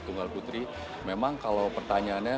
tunggal putri memang kalau pertanyaannya